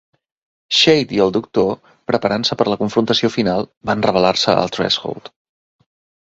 Shayde i el Doctor, preparant-se per a la confrontació final, van revelar-se al Threshold.